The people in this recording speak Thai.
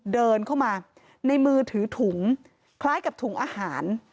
เดินเข้ามาในมือถือถุงคล้ายกับถุงอาหาร